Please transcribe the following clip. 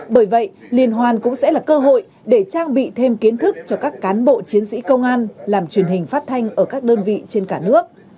bởi vậy liên hoan cũng sẽ là cơ hội để trang bị thêm kiến thức cho các cán bộ chiến sĩ công an làm truyền hình phát thanh ở các đơn vị trên cả nước